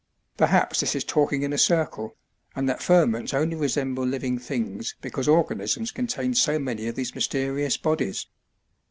Perhaps this is talking in a circle, and that ferments only resemble living things because organisms contain so many of these mysterious bodies.